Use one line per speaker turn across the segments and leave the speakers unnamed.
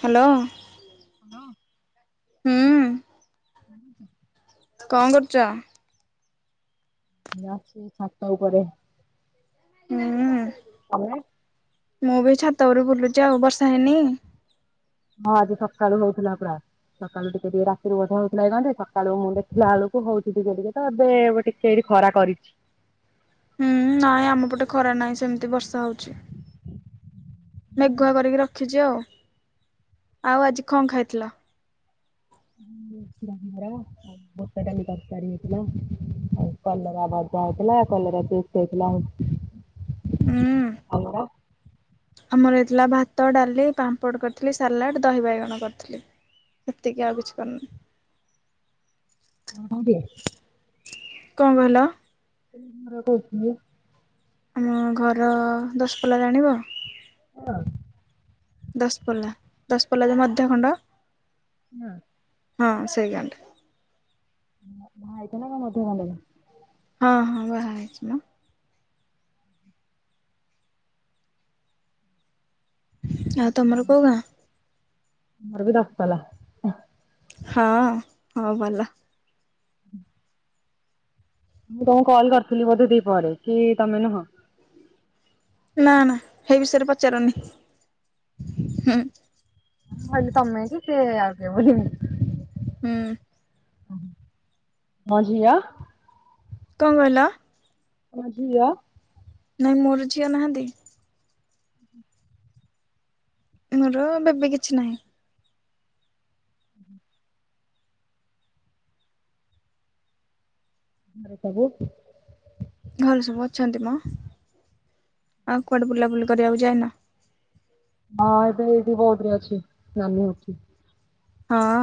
Hello.
Hello.
ହୁଁ। କଣ କରୁଚ?
[inaudible] ଛାତ ଉପରେ।
ହୁଁ ଉଁ।
ତମେ
ମୁଁ ବି ଛାତ ଉପରେ ବୁଲୁଚି ଆଉ ବର୍ଷା ହେଇନି?
ହଁ ଆଜି ସକାଳୁ ହଉଥିଲା ପୁରା। ସକାଳୁ ଟିକେ ଟିକେ ରାତିରୁ ବୋଧେ ହଉଥିଲାକି କଣ ଯେ ସକାଳୁ ମୁଁ ଦେଖୀଲା ବେଳକୁ ହଉଚି ଟିକେ ଟିକେ ତ ଏବେ ବେ ଟିକେ ସେଇଠି ଖରା କରିଛି।
ହୁଁ, ନାଇଁ ଆମ ପଟେ ଖରା ନାହିଁ ସେମିତି ବର୍ଷା ଯାଉଛି ମେଘୁଆ କରିକି ରଖିଛି ଆଉ। ଆଉ ଆଜି କଣ ଖାଇଥିଲ?
ହ ମାର [unintelligible] ଭଷ ଟା ବି [unintelligible] ତରକାରୀ ହେଇଥିଲା। ଆଉ କଲରା ଭଜା ହେଇଥିଲା। କଲରା ଚିପ୍ସ ହେଇଥିଲା। ହଉ କ [unintelligible]
ହୁଁ
ତମର?
ଆମର ହେଇଥିଲା ଭାତ, ଡାଲି, ପାମ୍ପଡ଼ କରିଥିଲି। ସାଲାଡ଼, ଦହି ବାଇଗଣ କରିଥିଲି। ହେତିକି ଆଉ କିଛି କ
ହବଆ [unintelligible]
କଣ କହିଲ?
କେମିତି ଘର କଇଥିଲେ?
ଆମ ଘର ଦଶପଲା ଜାଣିବ?
ହଁ‌।
ଦଶପଲ୍ଲା। ଦଶପଲ୍ଲା ଯେ ମଧ୍ୟ ଖଣ୍ଡ
ନାଁ
ହଁ, ସେଇ ଗାଁ ଟା।
ଭାଇତ ନା [unintelligible]
ହଁ, ହଁ। ବାହା ହେଇଚି ମ। ଆଉ ତମର କୋଉ ଗାଁ?
ଆମର ବି ଦଶପଲ୍ଲା।
ହଁ, ହଁ ଭଲ।
ମୁଁ ତମକୁ କଲ୍ କରିଥିଲି ବୋଧେ ଦି ପହରେ, କି ତମେ ନୁହଁ?
ନାଁ, ନାଁ ସେଇ ବିଷୟରେ ପଚାରନି? ହୁଁ।
ମୁଁ ଭାବିଲି ତମେ କି ସେ ଆଉ କିଏ, ବୁଝିଲେ?
ହୁଁ।
ହୁଁ ହୁଁ, ମୋ ଝିଅ
କଣ କହିଲ?
କୁଅ ଝିଅ?
ନାଇଁ, ମୋର ଝିଅ ନାହାନ୍ତି। ମୋର ବେବି କିଛି ନାହିଁ।
[unintelligible]
ଘରେ ସବୁ ଅଛନ୍ତି ମ, ଆଉ କୁଆଡ଼େ ବୁଲାବୁଲି କରିବାକୁ ଯାଇନ?
ହଁ, ଏବେ ଏଇଠି ବୌଧରେ ଅଛି, ନାନୀ ଘରଠି।
ହଁଅଁ,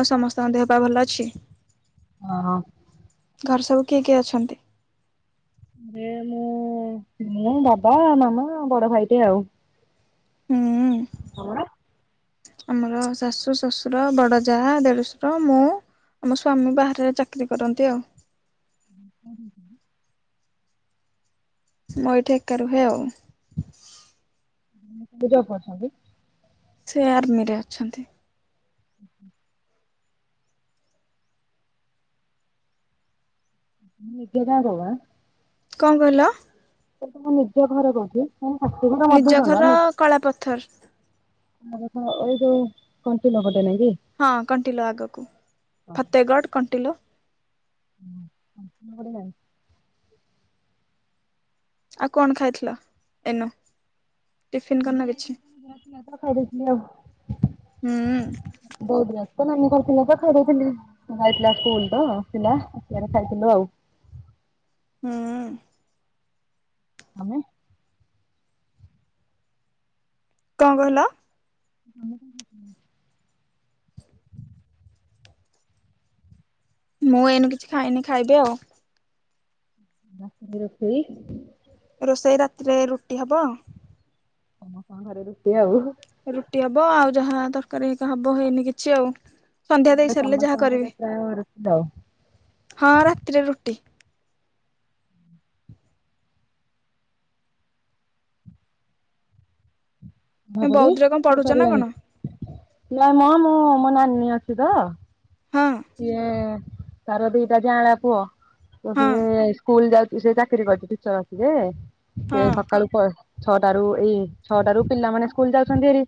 ଆଉ ସମସ୍ତଙ୍କ ଦେହ ପା ଭଲ ଅଛି?
ଅ ହଉ।
ଘରେ ସବୁ କିଏ କିଏ ଅଛନ୍ତି?
ଏବେ ମୁଁ- ମୁଁ, ବାବା, ମାମା, ବଡ ଭାଇଟେ ଆଉ।
ହୁଁ ଉଁ।
ତମର
ଆମର ଶାଶୁ, ଶ୍ୱଶୁର, ବଡ ଯା, ଦେଡ଼ୁଶୁର, ମୁଁ ଆ ମୋ ସ୍ଵାମୀ ବାହାରେ ଚାକିରି କରନ୍ତି ଆଉ।
[unintelligible]
ମୁଁ ଏଇଠି ଏକା ରୁହେ ଆଉ।
ସ୍ୱାମୀ କଣ ଜବ କରିଚନ୍ତି?
ସେ ଆର୍ମିରେ ଅଛନ୍ତି।
ହୁଁ ହୁଁ। ନିଜ ଗାଁ, କୋଉ ଗାଁ?
କଣ କହିଲ?
କିନ୍ତୁ ମୋ ନିଜ ଘର କଉଠି ହାତୀ ଘର
ନିଜ
ମଧ୍ୟ
ଘର
ଖଣ୍ଡ
କଳା ପଥର
ତମ ଘର ତ ଏଇ ଯଉ କଣ୍ଟିଲୋ ପଟେ, ନାଇଁକି?
ହଁ କଣ୍ଟିଲୋ ଆଗକୁ, ଫତେଗଡ କଣ୍ଟିଲୋ।
ହୁଁ, କଣ୍ଟିଲୋ ପଟେ ଜାଣି [unintelligible]
ଆଉ କଣ ଖାଇଥିଲ ଏନ, ଟିଫିିନ କରିନ କିଛି?
ଭାତଫାତ ଖାଇ ଦେଇଥିଲି ଆଉ।
ହୁଁ।
ବୋଉ [unintelligible] ତ ନମି କରିଥିଲା ତ ଖାଇଦେଇଥିଲି। ଉଁ ଯାଇଥିଲା ସ୍କୁଲ ତ ଆସିଲା ଆସିଲାରୁ ଖାଇଥିଲୁ ଆଉ।
ହୁଁ।
ଆମେ
କଁ କହିଲ?
[inaudible] ଆମୁକୁ
ମୁଁ ଏଇନୁ କିଛି ଖାଇନି ଖାଇବି ଆଉ।
ରାତିକି ରଖିବି।
ରୋଷେଇ ରାତିରେ ରୁଟି ହବ।
ସମସ୍ତଙ୍କ ଘରେ ରୁଟି ହବୁହୁ।
ରୁଟି ହବ ଆଉ ଯାହା ତରକାରୀ ହେଇକା ହବ ହେଇନି କିଛି ଆଉ। ସନ୍ଧ୍ୟା ଦେଇ
ଏବେ
ସାରିଲେ ଯାହା
ସମସ୍ତଙ୍କ
କରିବି
ଘରେ ପ୍ରାୟ ରୁଟି ଆଉ।
ହଁ ରାତିରେ ରୁଟି।
[unintelligible]
ବୌଦ୍ଧରେ କଣ
କି
ପଢୁଛ ନା କଣ?
ସରିଲାଣି ନାଇଁ ମ ମୋ ମୋ ନାନୀ ଅଛି ତ
ହଁ।
ସିଏ ତାର ଦିଟା ଜାଆଁଳା ପୁଅ ତ
ହଁ
ସିଏ ସ୍କୁଲ ଯାଉ ତୁ ସେଇ ଚାକିରି କରିଛି ଟିଚର୍ ଅଛି ଯେ ସିଏ
ହଁ
ସକାଳୁ ଛଅ ଛଅଟାରୁ ଏଇ ଛଅଟାରୁ ପିଲାମାନେ ସ୍କୁଲ ଯାଉଛନ୍ତି ହେରି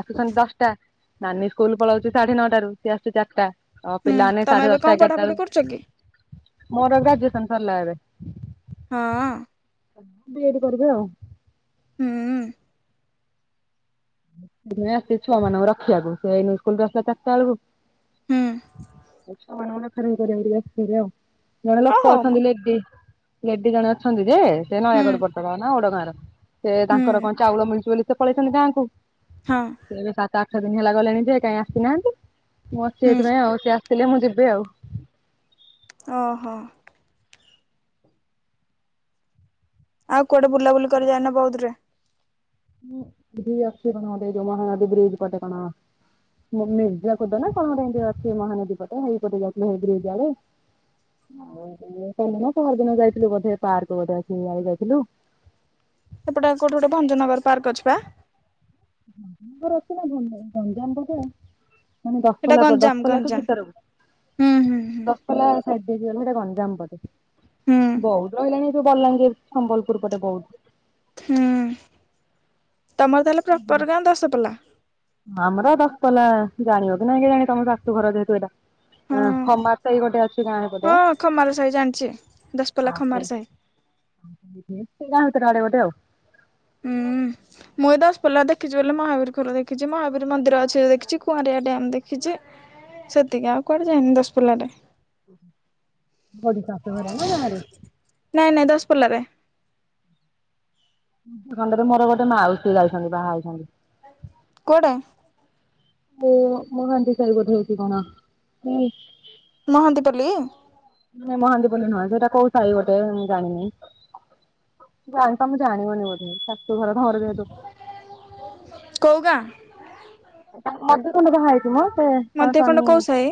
ଆସୁଛନ୍ତି ଦଶଟା। ନାନୀ ସ୍କୁଲ ପଳାଉଛି ସାଢେ ନଅଟାରୁ ସିଏ ଆସୁଚି ଚାରିଟା ଅ
ହୁଁ
ପିଲାମାନେ
ତମେ
ସାଢେ
ଏବେ କଣ
ଦଶଟା ଏଗାରଟା
ପଢାପଢି କରୁଛ କି?
ବେଳୁ ମୋର ଗ୍ରାଜୁଏସନ୍ ସରିଲା ଏବେ।
ହଁ।
ବି ଏଡ୍ କରିବି ଆଉ।
ହୁଁ।
ମୁଁ ସେଇଥିପାଇଁ ଆସିଚି ଛୁଆମାନଙ୍କୁ ରଖିଆକୁ ସିଏ ଏଇନେ ସ୍କୁଲରୁ ଆସିଲା ଚାରିଟା ବେଳୁକୁ
ହୁଁ
ଆଉ ଛୁଆମାନଙ୍କ ପାଖେରେ [unintelligible] ଜଣେ
ଓ
ଲୋକ
ହଉ ମ
ଅଛନ୍ତି ଲେଡି ଲେଡି ଜଣେ ଅଛନ୍ତି ଯେ ସେ
ହୁଁ
ନୟାଗଡ ପଟର ନୟାଗଡ ଗାଁର। ସେ ତାଙ୍କର
ହୁଁ
କଁ ଚାଉଳ ମିଳୁଛି ବୋଲି ସେ ପଳେଇଛନ୍ତି ଗାଁକୁ।
ହଁ।
ସିଏ ଏବେ ସାତ ଆଠ ଦିନ ହେଲା ଗଲେଣି ଯେ କାଇଁ ଆସିନାହାନ୍ତି ମୁଁ ଅଛି
ହୁଁ
ଏଇଥିପାଇଁ ଆଉ ସିଏ ଆସିଲେ ମୁଁ ଯିବି ଆଉ।
ଓହୋ। ଆଉ କୁଆଡେ ବୁଲା ବୁଲି କରି ଯାଇନ ବୌଦରେ।
ହୁଁ ଏଇଠି ଅଛି କଣ [unintelligible] ମହାନଦୀ ବ୍ରିଜ ପଟେ କଣ ମି ମିର୍ଜାକୁଦ ନା କଣ ଗୋଟେ ଇନ୍ତି ଅଛି ମହାନଦୀ ପଟେ ହେଇପଟେ ଯାଇଥିଲୁ ହେଇ ବ୍ରିଟିଶ ଆଡେ। ଆଉ [inaudible] [unintelligible] ପହରଦିନ ଯାଇଥିଲୁ ବୋଧେ ପାର୍କ ଗୋଟେ ଅଛି ବୋଧେ ଆମେ ଯାଇଥିଲୁ।
ସେପଟେ ଆ କୋଉଠି ଗୋଟେ ଭଞ୍ଜନଗର ପାର୍କ ଅଛି ପା।
ଭଞ୍ଜନଗର ଅଛି ନା [inaudible] ଗଞ୍ଜାମ ପଟେ। ମାନେ
ସେଇଟା
ଦଶପଲାଫୁ
ଗଞ୍ଜାମ
ଦଶପଲାଠୁ
ଗଞ୍ଜାମ। ହୁଁ ହୁଁ
ଭିତରକୁ
ହୁଁ।
ଦଶ୍ ପଲା ସବଡିଭିଜନ ସେଟା ଗଞ୍ଜାମ ପଟେ
ହୁଁ
ବହୁଦ୍ ରହିଲାଣି ସେ ବଲାଙ୍ଗୀର ସମ୍ବଲପୁର ପଟେ ବୌଦ୍।
ହୁଁ ତମର ତାହେଲେ ପ୍ରପର୍ ଗାଁ ଦଶପଲା।
ଆମର ଦଶପଲା ଜାଣିବ କି ନାଇଁ କେଜାଣି ତମ ଶାଶୁ ଘର ଯେହେତୁ ଏଟା।
ହଁ
ଆଁ ଖମାର ସାହି ଗୋଟେ ଅଛି ଗାଁ
ହଁ
ପଟେ
ଖମାର ସାହି ଜାଣିଛି ଦଶପଲ୍ଲା
ଆଉ
ଖମାର
ସେ
ସାହି
ଆଉ ସେ ସେଇ ସେଇ ଗାଁ ଉତ୍ତରା ଗୋଟେ ଆଉ।
ହୁଁ। ମୁଁ ଏ ଦଶପଲା ଦେଖିଛି ବୋଲେ ମହାବୀର ଖୋଲ ଦେଖିଛି ମହାବୀର ମନ୍ଦିର ଅଛି ଦେଖିଛି କୁଆଁରିଆଡ୍ୟାମ୍ ଦେଖିଛି। ସେତିକି ଆଉ କୁଆଡେ ଯାଇନି ଦଶପଲ୍ଲାରେ।
[unintelligible]
ନାଇଁ ନାଇଁ ଦଶପଲ୍ଲାରେ।
ସେ ଖଣ୍ଡରେ ମୋର ଗୋଟେ ମାଉସୀ ଯାଇଛନ୍ତି। ବାହା ହେଇଛନ୍ତି।
କୋଡେ
[unintelligible]
ମହାନ୍ତି ପଲି?
ନାଇ ମହାନ୍ତିପଲ୍ଲୀ ନୁହଁ ସେଇଟା କୋଉ ସାହି ଗୋଟେ ମୁଁ ଜାଣିନି। ଜାଣି ତମେ ଜାଣିବନି ବୋଧେ ଶାଶୁଘର ଘର ଯେହେତୁ।
କୋଉ ଗାଁ?
ମଧୁଖୁଣ୍ଡୁ ବାହା ହେଇଚି ମ ସେ ତା
ମଧ୍ୟ ଖଣ୍ଡ
ସ୍ଵାମୀ
କୋଉ ସାହି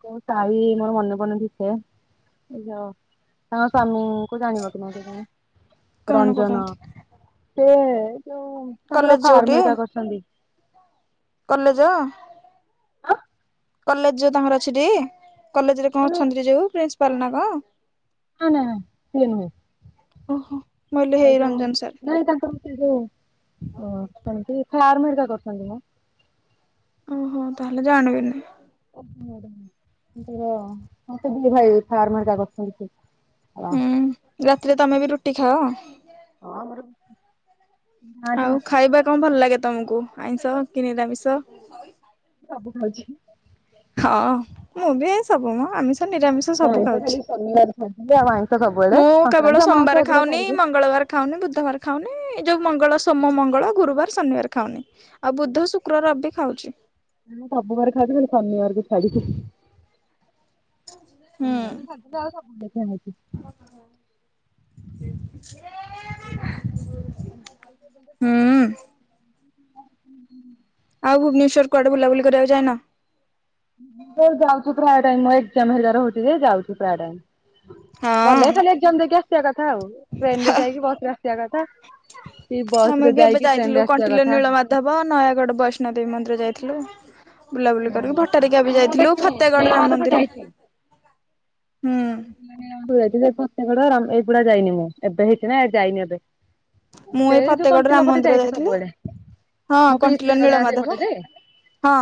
କୋଉ ସାହି ମୋର ମନେ ପଡୁନି ଠିକ୍ ସେ, [unintelligible] ତାଙ୍କ ସ୍ଵାମୀ କୁ ଜାଣିବ କି ନାଇ କେଜାଣି
କଣ
ରଞ୍ଜନ।
କରନ୍ତି
ସେ ଯୋଉ ତାଙ୍କର
କଲେଜ
ଫାର୍ମ
ଯୋଉଠି
ହେରିକା କରିଚନ୍ତି।
କଲେଜ? କଲେଜ ଯୋଉ ତାଙ୍କର ଅଛି ଟି? କଲେଜରେ କଣ
ମାନେ
ଅଛନ୍ତି ଯୋଉ ପ୍ରିନ୍ସିପାଲ ନା କଁ?
ନା ନା ସିଏ ନୁହେଁ
ଓହୋ ମୁଁ କହିଲି
ଏଇ
ହେଇ
ଯୋଉ
ରଞ୍ଜନ ସାର୍।
ନାଇଁ ତାଙ୍କର ସେ ଯୋଉ ଅ ସେମିତି ଫାର୍ମ ହେରିକା କରିଚନ୍ତି ମ।
ଓହୋ ତାହେଲେ ଜାଣିବିନି।
[unintelligible] ଦି ଭାଇ ଫାର୍ମ ହେରିକା କରିଚନ୍ତି ସେ।
ହୁଁ
[unintelligible]
ରାତିରେ ତମେ ବି ରୁଟି ଖାଅ?
ହଁ ଆମର ଗାଁଠି
ଆଉ
ଭାତ
ଖାଇବା କଣ ଭଲ ଲାଗେ ତମୁକୁ ଆଇଷ କି ନିରାମିଷ?
ସବୁ ଖାଉଛି।
ହଁ ମୁଁ ବି ଏ ସବୁ ମ ଆମିଷ ନିରାମିଷ ସବୁ
ଆଇଁଷ ଖାଲି ଶନିବାର ଖାଉଥିଲି ଆଉ
ଖାଉଛି।
ଆଇଁଷ ସବୁବେଳେ
ମୁଁ କେବଳ
ସଂକ୍ରାନ୍ତି ଅମାବାସ୍ୟା
ସୋମବାର
ଏଗୁଡା
ଖାଉନି
ଛାଡିକି।
ମଙ୍ଗଳବାର ଖାଉନି ବୁଧବାର ଖାଉନି ଏ ଯୋଉ ମଙ୍ଗଳ ସୋମ ମଙ୍ଗଳ ଗୁରୁବାର ଶନିବାର ଖାଉନି। ଆଉ ବୁଧ ଶୁକ୍ର ରବି ଖାଉଚି।
ମୁଁ ସବୁ ବାର ଖାଉଚି ଖାଲି ଶନିବାରକୁ ଛାଡିକି।
ହୁଁ
[unintelligible]
[unintelligible] ହୁଁ।
[inaudible]
ଆଉ ଭୁବନେଶ୍ୱର କୁଆଡେ ବୁଲାବୁଲି କରିଆକୁ ଯାଇନ?
ଯାଉଚୁ ପ୍ରାୟ ଟାଇମ ଏକଜାମ୍ ହେରିକା ରହୁଛି ଯେ ଯାଉଚୁ ପ୍ରାୟ ଟାଇମ ଗଲେ
ହଁ।
ଖାଲି ଏ ଏକଜାମ ଦେଇକି ଆସିଆ କଥା ଆଉ ଟ୍ରେନ୍ ରେ ଯାଇକି ବସ୍ ରେ ଆସିଆ କଥା। କି ବସ
ଆମେ
ରେ
ବି ଏବେ
ଯାଇକି ଟ୍ରେନ ରେ
ଯାଇଥିଲୁ
ଆସିବା
କଣ୍ଟିଲ
କଥା।
ନୀଳମାଧବ ନୟାଗଡ଼ ବୈଷ୍ଣୋଦେବୀ ମନ୍ଦିର ଯାଇଥିଲୁ। ବୁଲାବୁଲି କରିକି ଭଟାରିକା ବି
ମୁଁ
ଯାଇଥିଲୁ
ଦେଖିନି
ଫତେଗଡ ରାମ
ନୀଳମାଧବ
ମନ୍ଦିର
ଯାଇଛି
ହୁଁ।
[unintelligible] ଫତେଗଡ ରାମ ଏଗୁଡା ଯାଇନି ମୁଁ ଏବେ ହେଇଛି ନା ଯାଇନି ଏବେ।
ମୁଁ ଏଇ
ସେଇ ଯୋଉ
ଫତେଗଡ଼
କଣ୍ଟିଲ
ରାମ
ପଟେ
ମନ୍ଦିର
ଯାଇଚି
ଯାଇଥିଲି
ସବୁଆଡେ
ହଁ
ମୋ
କଣ୍ଟିଲ
ପିଇସୀ ଘର ଗାଁ
ନୀଳମାଧବ
ସେଇପଟେ ଯେ।
ହଁ।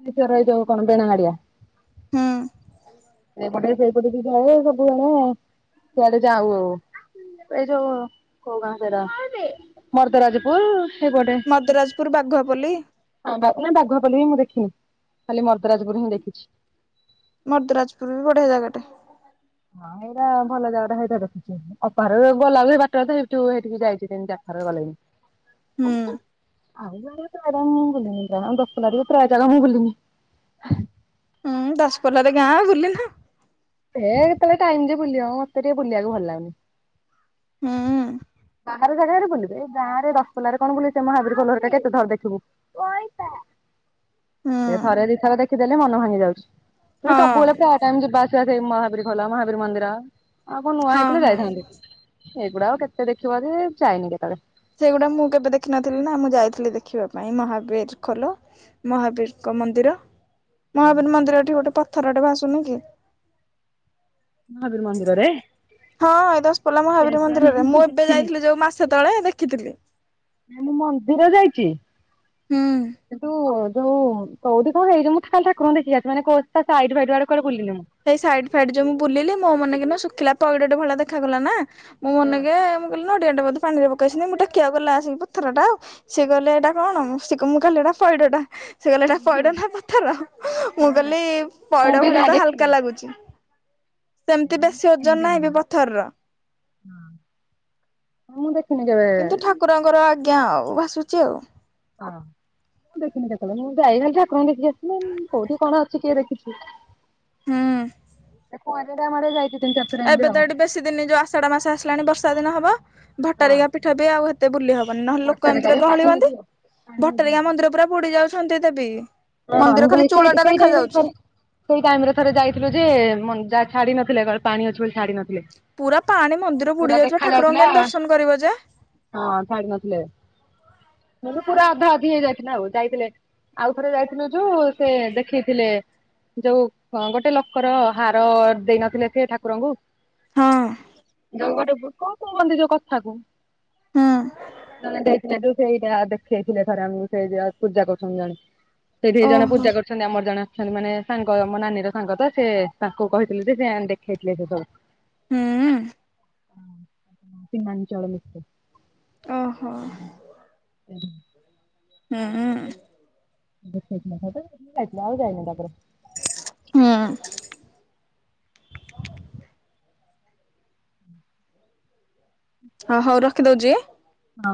[unintelligible] ଯୋଉ କଣ ବେଣାଗାଡିଆ?
ହୁଁ।
ସେଇପଟେ ସେଇପଟକୁ ଯାଏ ସବୁବେଳେ ଆଉ ସେଆଡେ ଯାଉ ଆଉ। ଏଇ ଯୋଉ କୋଉ ଗାଁ ସେରା ମର୍ଦରାଜପୁର। ସେପଟେ
ମର୍ଦରାଜପୁର ବାଘୁଆପଲ୍ଲୀ।
[unintelligible] ବାଘୁଆପଲ୍ଲୀ ବି ମୁଁ ଦେଖିନି ଖାଲି ମର୍ଦରାଜପୁୁର ହିଁ ଦେଖିଚି।
ମର୍ଦରାଜପୁର ବି ବଢିଆ ଜାଗାଟେ।
ହଁ ଏଇରା ଭଲ ଜାଗାଟା ସେଇଟା ଦେଖିଚି। ଅପା ହରକୁ ଗଲା ବେଳେ ବାଟରେ ତ ଗୁପଚୁପ ଖାଇକି ସେଇଠିକି ଯାଇଥିନି ତିନି ଚାର ଥର ଗଲେଣିି।
ହୁଁ
ଆଉ ଯୁଆଡେ ପ୍ରାଏ ଯାଗା ମୁଁ ବୁଲିକି ପ୍ରାଏ ଦଶପଲ୍ଲା ରେ ପ୍ରାଏ ଜାଗା ମୁଁ ବୁଲିନି।
ହୁଁ ଦଶପଲ୍ଲ ରେ ଗାଁ ବୁଲିଲା।
ହେ କେତେବେଳେ ଟାଇମ ଯେ ବୁିଲିବା ମତେ ଟିକେ ବୁଲିଆକୁ ଭଲ ଲାଗୁନି।
ହୁଁ
ବାହାର ଜାଗାଆଡେ ବୁଲିବେ ଏ ଗାଁ ରେ ଦଶପଲ୍ଲା ରେ କଣ ବୁଲିତେ ସେ ମହାବୀର ଖୋଲ ଘରିକା କେତେଥର ଦେଖିବୁ। [inaudible] ସେ ଥରେ ଦି ଥର ଦେଖିଦେଲେ ମନ ଭାଙ୍ଗି ଯାଉଛି ତୁମେ
ହଁ
ସବୁବେଳେ ପ୍ରାଏ ଟାଇମ୍ ଯିବା ଆ ସେଟା ସେଇ ମହାବୀର ଖୋଲ ମହାବୀର ମନ୍ଦିର ଆଉ କଣ ନୂଆ
ହଁ
ହେଇଥିଲେ
ହଁ।
ଯାଇଥାନ୍ତି। ଏଗୁଡାକ କେତେ ଦେଖିବ ଯେ ଚାଇନି କେତେବଳେ।
ସେଗୁଡା ମୁଁ କେବେ ଦେଖିନଥିଲି ନା ମୁଁ ଯାଇଥିଲି ଦେଖିବା ପାଇଁ ମହାବୀର ଖୋଲ। ମହାବୀରଙ୍କ ମନ୍ଦିର ମହାବୀର ମନ୍ଦିର ଠି ଗୋଟେ ପଥରଟେ ଭାସୁନି କି?
ମହାବୀର ମନ୍ଦିରରେ
ହଁ ଏ ଦଶପଲ୍ଲା ମହାବୀର
କେଜାଣି
ମନ୍ଦିରେରେ ମୁଁ ଏବେ
ଦେଖିନି
ଯାଇଥିଲି ଯୋଉ ମାସେ ତଳେ ଦେଖିଥିଲି।
ନା ମୁଁ ମନ୍ଦିର ଯାଇଚି।
ହୁଁ
କିନ୍ତୁ ଯୋଉ କଉଠି କଣ ହେଇଚି ମୁଁ ଖାଲି ଠାକୁରଙ୍କୁ ଦେଖିକି ଆସେ ମାନେ କଉ ତା ସାଇଟ ଫାଇଟ ଆଡେ କୁଆଡେ ବୁଲିନି ମୁଁ।
ସେଇ ସାଇଟ୍ ଫାଇଟ୍ ଯୋଉ ମୁଁ ବୁଲିଲି ମୋ ମନେ କିନା ଶୁଖିଲା ପଇଡ ଟେ ଭଳିଆ ଦେଖାଗଲା ନା। ମୋ
ହଁ
ମନେକେ ମୁଁ କଇଲି ନଡିଆ ଟେ ବୋଧେ ପାଣିରେ ପକାଇଛି ନାଇଁ ମୁଁ ଟେକିଆକୁ ଗଲା ଆସିକି ପଥର ଟା ଆଉ। ସିଏ କଇଲେ ଏଇଟା କଣ? ମୁଁ ସେ କ ମୁଁ କଇଲି ଏଟା ପଇଡଟା। ସେ କଇଲେ ଏଟା ପଇଡ଼ ନା ପଥର ମୁଁ କଇଲି
ମୁଁ
ପଇଡ଼
ବି
ଭଳିଆ
ନା
ତ ହାଲ
ଦେଖିନି।
ଲାଗୁଚି ସେମତି ବେଶୀ ଓଜନ ନାହିଁ ବି ପଥରର।
ମୁଁ ଦେଖିନି କେବେ
କୁରଙ୍କର ଆଜ୍ଞା ଆଉ ଭାସୁଚି ଆଉ।
ହଁ ମୁ ଦେଖିନି କେତେବଳେ ମୁଁ ଯାଇ ଖାଲି ଠାକୁରଙ୍କୁ ଦେଖିକି ଆସିଲି କୋଉଠି କଣ ଅଛି କିଏ ଦେଖି ଖିଚି
ହୁଁ
ପରିଡାମାଡ ଯାଇଥିଲ
ଏବେ ତ ଏଠି ବେଶୀ ଦିନି ଯୋଉ ଆଷାଢ ମାସ ଆସିଲାଣି ବର୍ଷା ଦିନ ହବ ଭଟାରି ଗାଁ ପୀଠ ବି ଆଉ ଏ ଏତେ ବୁଲି ହବନି ନହେଲେ ଲୋକ ଏମିତିରେ ଗହଳି ହୁଅନ୍ତି। ଭଟାରୀ ଗାଁ ମନ୍ଦିର ପୁରା ବୁଡି ଯାଉଛନ୍ତି ଦେବି।
ହଁ ବି ସେଇ ଟି ସେଇ ଟାଇମ୍ ରେ ଥରେ ସେଇ ଟାଇମ୍ ରେ ଥରେ ଯାଇଥିଲୁ ଯେ ମନ ଯା ଛାଡି ନଥିଲେ ଗଇଲେ ପାଣି ଅଛି ବୋଲି ଛାଡି ନ
ପୁରା ପାଣି ମନ୍ଦିର ବୁଡି ଯାଉଛି ଵା ଠାକୁରଙ୍କୁ
ଯାଉଥିଲା
କେମିତି
ହଁ
ଦର୍ଶନ କରିବ ଯେ।
ମାନେ ପୁରା ଅଧା ଅଧି ହେଇଯାଇଥିଲା ଆଉ ଯାଇଥିଲେ ଆଉ ଥରେ ଯାଇଥିନୁ ଯୋଉ ସେ ଦେଖେଇଥିଲେ ଯୋଉ ଅଁ ଗୋଟେ ଲୋକର ହାର ଦେଇନଥିଲେ ସେ ଠାକୁରଙ୍କୁ
ହଁ
ଯୋଉ ଗୋଟେ ବୁ କଁ କୁହନ୍ତି ଯୋଉ କଥାକୁ।
ହୁଁ
ତମେ ଯାଇଥିଲ ଯୋଉ ସେଇଟା ଦେଖେଇ ଥିଲେ ଥରେ ଆମକୁ ସେ ଯିଏ ଅଛ ପୂଜା କରୁଛନ୍ତିୁ ଜଣେ ସେଇଠି ଜଣେ
ଓହୋ
ପୂଜା କରୁ ଛନ୍ତି ଆମର ଜଣେ ଅଛନ୍ତି ମାନେ ସାଙ୍ଗ ମୋ ନାନୀ ର ସାଙ୍ଗ ତ ସେ ତାଙ୍କୁ କହିଥିଲେ ଯେ ସିଏ ଆଣିକି ଦେଖେଇଥିଲେ ସେ ସବୁ।
ହୁଁ ଉଁ।
[unintelligible]
ଓ ହୋ।
[unintelligible]
ହୁଁଁ ଉଁ।
ଦେଖା ହେଇଥିଲା [unintelligible] ଆଉ ଜାଇନି ତା ପରେ।
ହୁଁ। ହଁ ହଉ ରଖିଦଉଚି।
ହଁ।